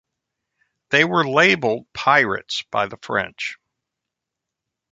They were labelled "pirates" by the French.